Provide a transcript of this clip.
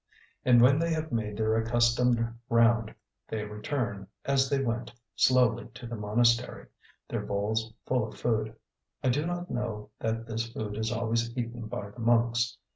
And when they have made their accustomed round, they return, as they went, slowly to the monastery, their bowls full of food. I do not know that this food is always eaten by the monks.